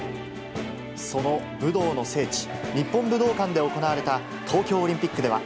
その武道の聖地、日本武道館で行われた東京オリンピックでは。